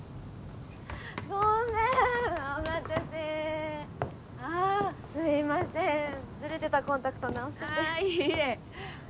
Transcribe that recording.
ごめんお待たせああすいませんずれてたコンタクト直しててああ